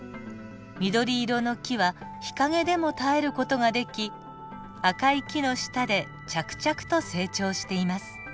緑色の木は日陰でも耐える事ができ赤い木の下で着々と成長しています。